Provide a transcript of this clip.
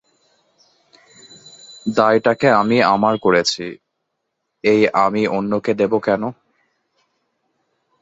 দায়টাকেই আমি আমার করেছি, এই আমি অন্যকে দেব কেন?